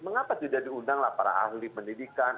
mengapa tidak diundanglah para ahli pendidikan